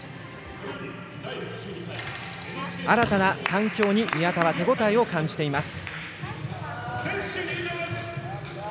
新たな環境に宮田は手応えを感じています。